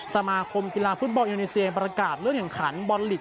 สมาคมกีฬาฟู้ดบอลอินีเซียประกาศเรื่องอย่างขันภ์บอลลิก